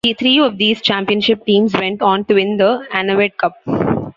Three of these championship teams went on to win the Anavet Cup.